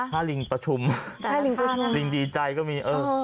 ท่าลิงประชุมท่าลิงดีใจก็มี